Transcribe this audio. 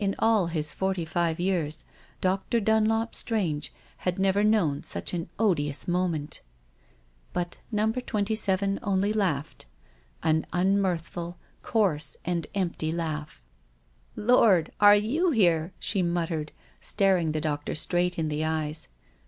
all his forty five years Dr. Dunlop Strange had never known such an odious moment But Number Twenty seven only laughed — an unmirthf ul, coarse, and empty laugh. "Oh, lord, are you here?" she muttered, staring the doctor straight in the eyes.